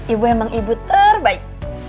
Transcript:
ibu emang ibu terbaik